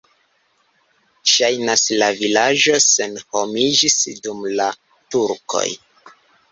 Ŝajnas, la vilaĝo senhomiĝis dum la turkoj.